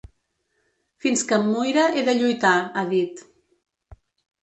Fins que em muira he de lluitar, ha dit.